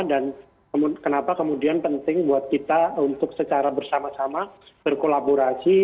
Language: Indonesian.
dan kenapa kemudian penting buat kita untuk secara bersama sama berkolaborasi